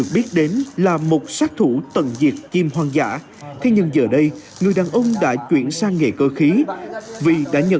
vì đã nhận thức rằng chim hoang dã là một sát thủ tận diệt chim hoang dã